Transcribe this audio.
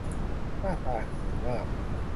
หน้าตาหื่นมาก